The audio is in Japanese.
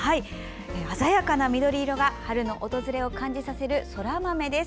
鮮やかな緑色が春の訪れを感じさせるそら豆です。